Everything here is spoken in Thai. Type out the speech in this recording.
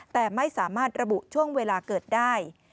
แต่ไม่สามารถระบุช่วงเวลาเกิดได้